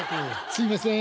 「すいません」。